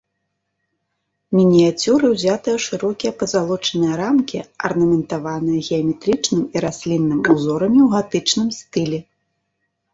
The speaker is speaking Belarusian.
Мініяцюры ўзятыя ў шырокія пазалочаныя рамкі, арнаментаваныя геаметрычным і раслінным узорамі ў гатычным стылі.